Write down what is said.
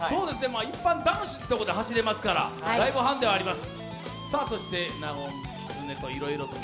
一般男子ってことで走りますからだいぶハンデはあります。